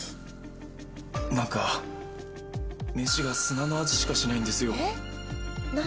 何か飯が砂の味しかしないんですよ。